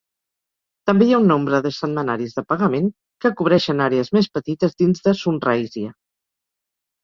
També hi ha un nombre de setmanaris de pagament que cobreixen àrees més petites dins de Sunraysia.